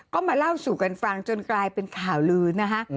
ก็มาเล่าสู่กันฟังจนกลายเป็นข่าวลืนนะคะ